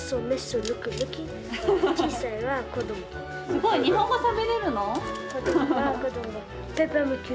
すごい日本語しゃべれるの？